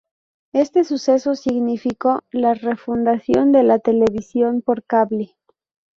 Este suceso significó la re-fundación de la televisión por cable.